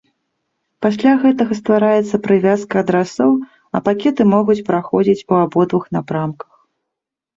Пасля гэтага ствараецца прывязка адрасоў, а пакеты могуць праходзіць ў абодвух напрамках.